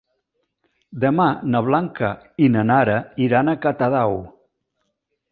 Demà na Blanca i na Nara iran a Catadau.